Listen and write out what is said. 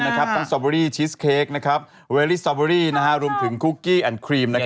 สตรอเบอร์รี่ชีสเค้กเวลลี่สตรอเบอร์รี่คุกกี้และครีม